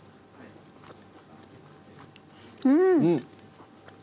うん！